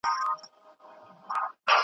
جګه لوړه لکه سرو خرامانه .